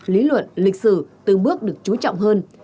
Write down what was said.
lý luận lịch sử từng bước được chú trọng hơn